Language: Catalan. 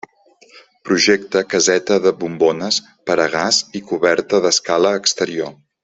Projecte caseta de bombones per a gas i coberta d'escala exterior.